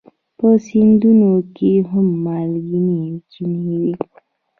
په سیندونو کې هم مالګینې چینې وي.